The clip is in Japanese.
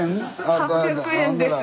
８００円です。